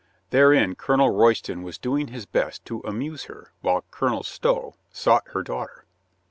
Therein Colonel Royston was do ing his best to amuse her while Colonel Stow sought her daughter.